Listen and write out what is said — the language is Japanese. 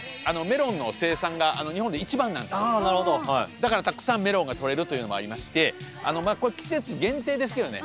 だからたくさんメロンが取れるというのもありましてまあこれ季節限定ですけどね。